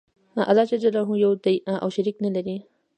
الله ج یو دی او شریک نلری.